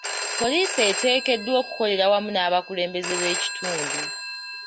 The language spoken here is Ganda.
Poliisi eteekeddwa okukolera awamu n'abakulembeze b'ekitundu.